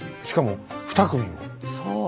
しかも２組も。